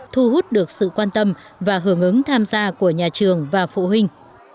thu hút được sự quan tâm và hưởng ứng tham gia của nhà trường và phụ huynh